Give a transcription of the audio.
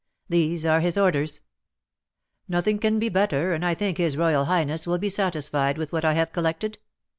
These are his orders." "Nothing can be better, and I think his royal highness will be satisfied with what I have collected.